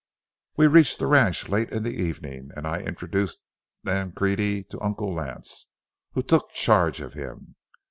We reached the ranch late in the evening and I introduced Nancrede to Uncle Lance, who took charge of him.